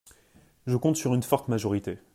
Je compte sur une forte majorité.